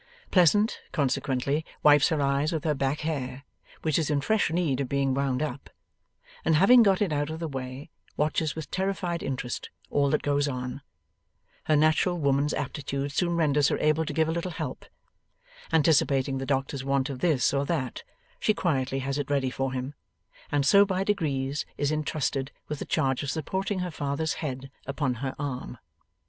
Pleasant, consequently, wipes her eyes with her back hair, which is in fresh need of being wound up, and having got it out of the way, watches with terrified interest all that goes on. Her natural woman's aptitude soon renders her able to give a little help. Anticipating the doctor's want of this or that, she quietly has it ready for him, and so by degrees is intrusted with the charge of supporting her father's head upon her arm.